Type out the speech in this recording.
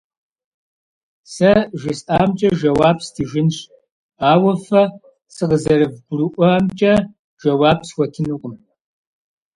Сэ жысӏамкӏэ жэуап стыжынщ, ауэ фэ сыкъызэрывгурыӏуамкӏэ жэуап схуэтынукъым.